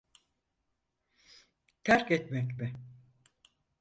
Terk etmek mi?